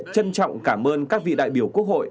trân trọng cảm ơn các vị đại biểu quốc hội